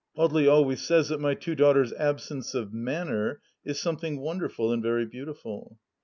Audely always says that my two daughters' absence of " manner " is something wonderful, and very beautiful.